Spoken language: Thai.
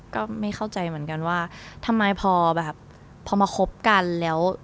ก็ไม่เข้าใจเหมือนกันว่าทำไมพอแบบพอมาคบกันแล้ว